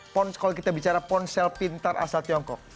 ponse kalau kita bicara ponsel pintar asal tiongkok